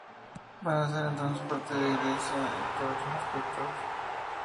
Van a ser entonces parte de Grecia en todos los aspectos.